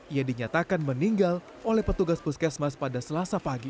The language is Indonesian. ia dinyatakan meninggal oleh petugas puskesmas pada selasa pagi